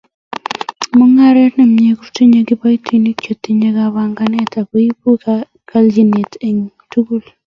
Mungaret ne mie kotindoi kiboitinik che tinyei kipagenge akoibu keljinet eng tugul